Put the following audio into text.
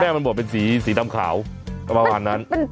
มันบอกเป็นสีดำขาวประมาณนั้น